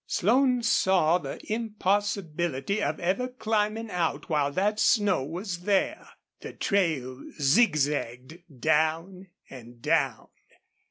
Slone saw the impossibility of ever climbing out while that snow was there. The trail zigzagged down and down.